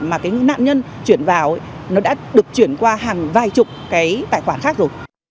mà cái nạn nhân chuyển vào nó đã được chuyển qua hàng vài chục cái tài khoản khác rồi